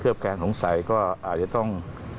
เคลือบแค้นสงสัยก็อาจจะต้อง